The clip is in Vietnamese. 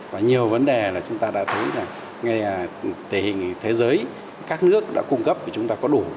và nhiều vấn đề là chúng ta đã thấy là tình hình thế giới các nước đã cung cấp thì chúng ta có đủ